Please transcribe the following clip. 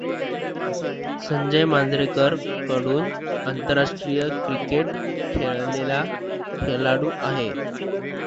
संजय मांजरेकर कडून आंतरराष्ट्रीय क्रिकेट खेळलेला खेळाडू आहे.